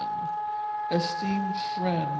ESTEEMED FRIEND, WM.